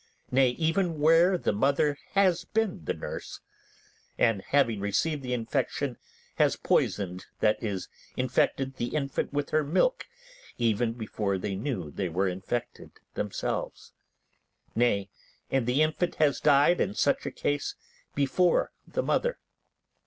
Nay, even where the mother has been nurse, and having received the infection, has poisoned, that is, infected the infant with her milk even before they knew they were infected themselves; nay, and the infant has died in such a case before the mother.